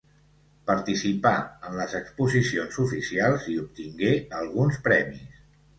Participà en les exposicions oficials i obtingué alguns premis.